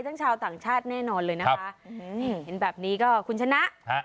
ชาวต่างชาติแน่นอนเลยนะคะอืมเห็นแบบนี้ก็คุณชนะฮะ